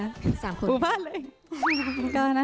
หมู่บ้านเลย